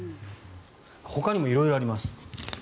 ほかにも色々あります。